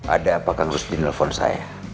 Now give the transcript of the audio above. ada apa kang rus di nelfon saya